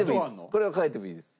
これは変えてもいいです。